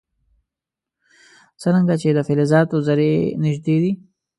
څرنګه چې د فلزاتو ذرې نژدې دي.